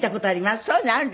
そういうのあるでしょ。